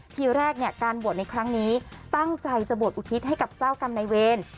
ทีแรกเนี่ยการบวชในครั้งนี้ตั้งใจจะบวชอุทิศให้กับเจ้ากรรมในเวร